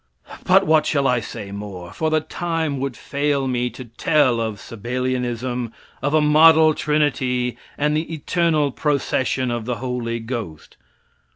But what shall I say more? for the time would fail me to tell of Sabellianism, of a "Model trinity" and the "eternal procession of the Holy Ghost."